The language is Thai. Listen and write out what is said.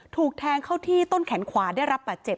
ถูกแทงเข้าที่ต้นแขนขวาได้รับบาดเจ็บ